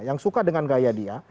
yang suka dengan gaya dia